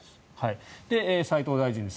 斉藤大臣です。